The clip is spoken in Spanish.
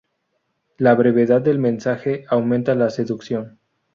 La brevedad del mensaje aumenta la seducción.